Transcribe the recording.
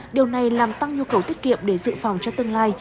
điều này làm tăng nhu cầu tiết kiệm để dự phòng cho tương lai